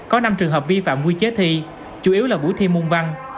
có năm trường hợp vi phạm quy chế thi chủ yếu là buổi thi môn văn